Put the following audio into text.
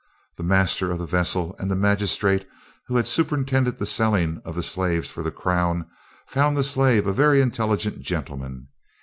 The master of the vessel and the magistrate who had superintended the selling of the slaves for the crown found the slave a very intelligent gentleman.